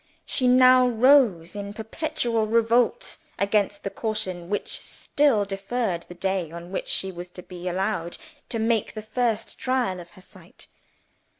She now rose in perpetual revolt against the caution which still deferred the day on which she was to be allowed to make the first trial of her sight.